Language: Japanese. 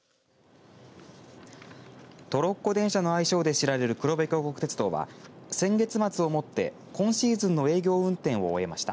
トロッコ電車の愛称で知られる黒部峡谷鉄道は先月末をもって今シーズンの営業運転を終えました。